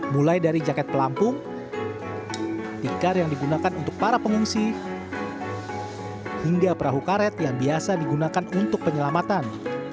mulai dari jaket pelampung tikar yang digunakan untuk para pengungsi hingga perahu karet yang biasa digunakan untuk penyelamatan